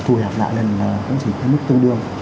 thùi hạp lại lên là cũng chỉ cái mức tương đương